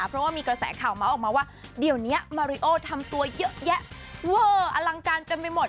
เพราะว่ามีกระแสข่าวเมาส์ออกมาว่าเดี๋ยวนี้มาริโอทำตัวเยอะแยะเวอร์อลังการเต็มไปหมด